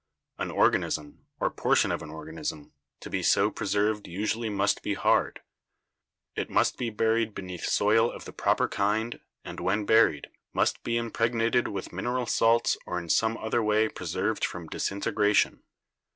An organism, or portion of an organism, to be so preserved usually must be hard ; it must be buried beneath soil of the proper kind and when buried must be impregnated with mineral salts or in some other way preserved from disintegration.